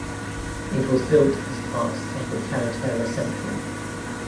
It was built as part of the Carretera Central.